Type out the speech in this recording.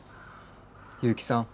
結城さん